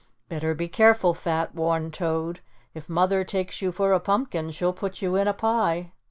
"Better be careful, Fat," warned Toad, "If mother takes you for a pumpkin she'll put you in a pie."